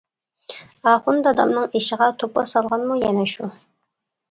ئاخۇن دادامنىڭ ئېشىغا توپا سالغانمۇ يەنە شۇ.